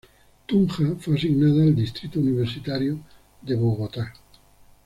Tunja fue asignada al Distrito universitario de Bogotá.